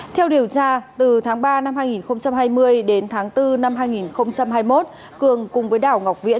theo điều tra từ tháng ba năm hai nghìn hai mươi đến tháng bốn năm hai nghìn hai mươi một cường cùng với đảo ngọc viễn